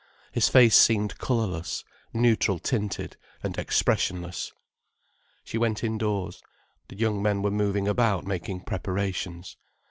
His face seemed colourless, neutral tinted and expressionless. She went indoors. The young men were moving about making preparations.